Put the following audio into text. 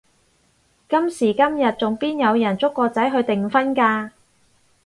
今時今日仲邊有人捉個仔去訂婚㗎？